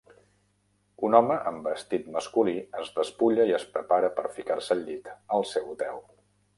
Un home amb vestit masculí es despulla i es prepara per ficar-se al llit al seu hotel.